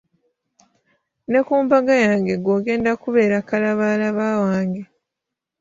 Ne ku mbaga yange ggwe ogenda okubeera kalabaalaba wange.